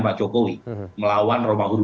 pak jokowi melawan romahur